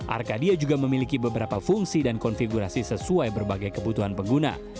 arcadia juga memiliki beberapa fungsi dan konfigurasi sesuai berbagai kebutuhan pengguna